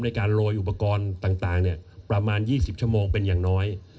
ในการโรยอุปกรณ์ต่างประมาณ๒๐ชั่วโมงเป็นอย่างน้อย